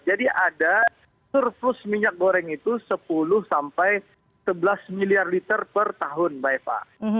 jadi ada surplus minyak goreng itu sepuluh sampai sebelas miliar liter per tahun mbak eva